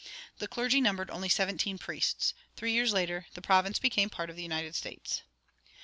The clergy numbered only seventeen priests. Three years later the province became part of the United States.